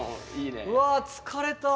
わ疲れた！